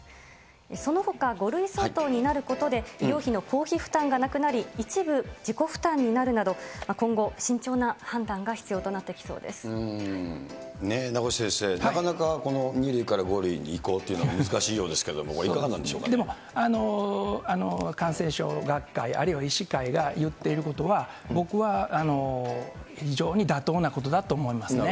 そのほか、５類相当になることで、医療費の公費負担がなくなり、一部、自己負担になるなど、今後、慎重な判断が必要となってきそう名越先生、なかなかこの２類から５類に移行というのは難しいようですけれど感染症学会、あるいは医師会が言っていることは、僕は非常に妥当なことだと思いますね。